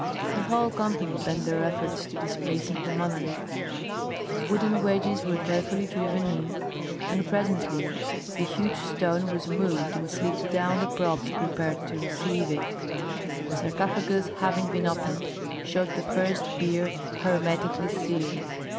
The whole company bent their efforts to displacing the monolith. Wooden wedges were carefully driven in, and presently the huge stone was moved and slid down the props prepared to receive it. The sarcophagus having been opened, showed the first bier hermetically sealed.